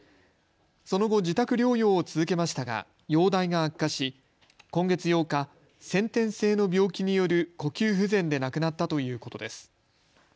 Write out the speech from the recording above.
その後、自宅療養を続けましたが容体が悪化し今月８日、先天性の病気による呼吸不全で亡くなったということです。